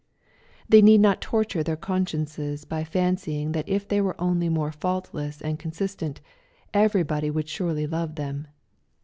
They need not torture their consciences by fancying that if they were onljf more faultless and consistent, every< liody weald surely love them.